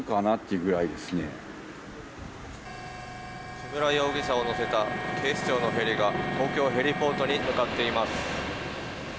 木村容疑者を乗せた警視庁のヘリが東京ヘリポートに向かっています。